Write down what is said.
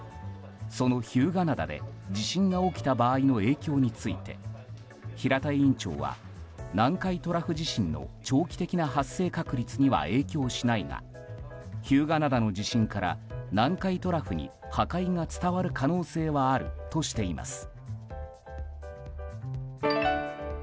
その日向灘で地震が起きた場合の影響について平田委員長は南海トラフ地震の長期的な発生確率には影響しないが日向灘の地震から南海トラフに破壊が伝わる可能性はあるとしています。